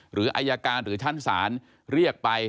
หรืออายการหรือชั้นศาลเรียกไป